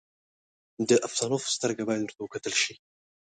د افسانو په سترګه باید ورته وکتل شي.